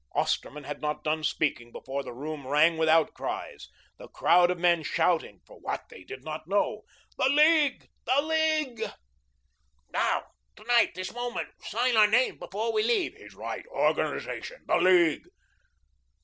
Osterman had not done speaking before the room rang with outcries, the crowd of men shouting, for what they did not know. "The League! The League!" "Now, to night, this moment; sign our names before we leave." "He's right. Organisation! The League!"